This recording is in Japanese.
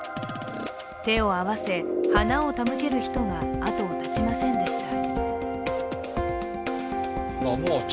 手を合わせ、花を手向ける人が後を絶ちませんでした。